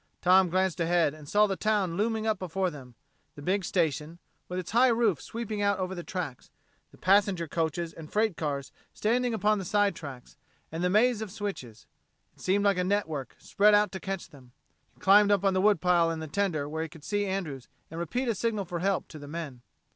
Tom glanced ahead and saw the town looming up before them the big station, with its high roof sweeping out over the tracks, the passenger coaches and freight cars standing upon the side tracks, and the maze of switches. It seemed like a network, spread out to catch them. He climbed up on the wood pile in the tender where he could see Andrews and repeat a signal for help to the men.